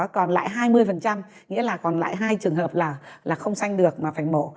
còn lại hai mươi nghĩa là còn lại hai trường hợp là không xanh được mà phải mổ